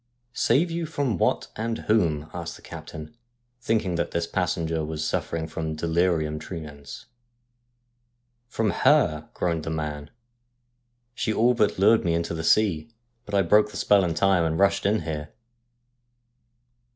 ' Save you from what and whom ?' asked the captain, thinking that his passenger was suffering from delirium tremens. ' From her,' groaned the man. ' She all but lured me into the sea, but I broke the spell in time, and rushed in here.'